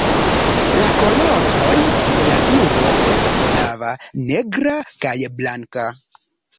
La koloroj de la klubo estas flava, negra, kaj blanka.